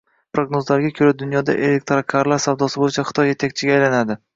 Prognozlarga ko‘ra, dunyoda elektrokarlar savdosi bo‘yicha Xitoy yetakchiga aylanadi